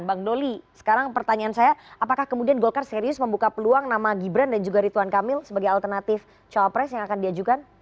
bang doli sekarang pertanyaan saya apakah kemudian golkar serius membuka peluang nama gibran dan juga rituan kamil sebagai alternatif cawapres yang akan diajukan